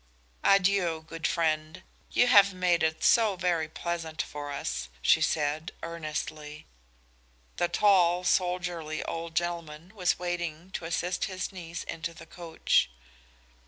"Adieu, good friend. You have made it so very pleasant for us," she said, earnestly. The tall, soldierly old gentleman was waiting to assist his niece into the coach.